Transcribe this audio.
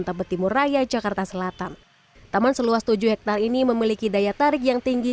tebet timur raya jakarta selatan taman seluas tujuh hektare ini memiliki daya tarik yang tinggi